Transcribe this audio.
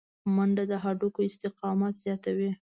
منډه د هډوکو استقامت زیاتوي